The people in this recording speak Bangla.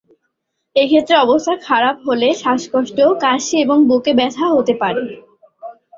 এক্ষেত্রে অবস্থা খারাপ হলে শ্বাসকষ্ট, কাশি এবং বুকে ব্যথা হতে পারে।